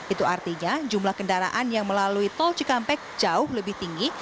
itu artinya jumlah kendaraan yang melalui tol cikampek jauh lebih tinggi